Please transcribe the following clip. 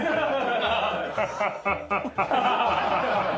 ハハハハ。